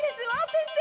先生！